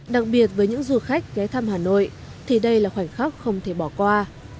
đặc biệt với những du khách ghé thăm hà nội thì đây là khoảnh khắc không thể bỏ qua